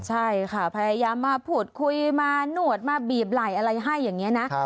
ใช่ค่ะพยายามมาพูดคุยมาหนวดมาบีบไหล่อะไรให้อย่างนี้นะ